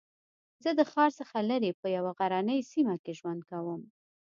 زه د ښار څخه لرې په یوه غرنۍ سېمه کې ژوند کوم